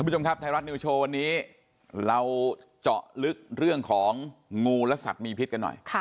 วันนี้เราเจาะลึกเรื่องของงูและสัตว์มีพิษกันหน่อย